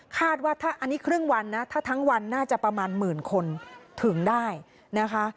คาดว่าถ้าอันนี้ครึ่งวันนะถ้าทั้งวันน่าจะประมาณหมื่นคนถึงได้นะคะ